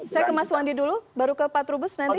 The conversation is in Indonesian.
saya ke mas wandi dulu baru ke pak trubus nanti